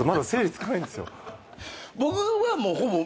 僕はもうほぼ。